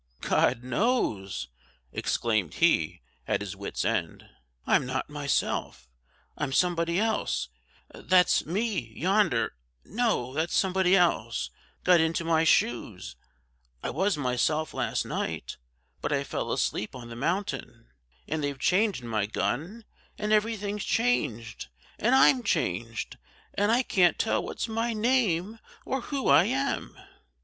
"God knows!" exclaimed he at his wit's end; "I'm not myself I'm somebody else that's me yonder no that's somebody else, got into my shoes I was myself last night, but I fell asleep on the mountain, and they've changed my gun, and everything's changed, and I'm changed, and I can't tell what's my name, or who I am!"